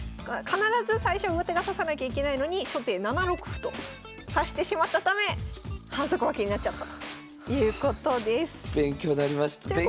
必ず最初は上手が指さなきゃいけないのに初手７六歩と指してしまったため反則負けになっちゃったということです。